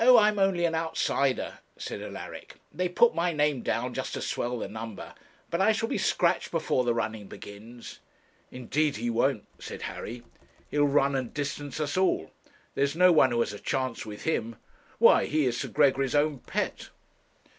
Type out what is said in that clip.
I'm only an outsider,' said Alaric. 'They put my name down just to swell the number, but I shall be scratched before the running begins.' 'Indeed he won't,' said Harry. 'He'll run and distance us all. There is no one who has a chance with him. Why, he is Sir Gregory's own pet.'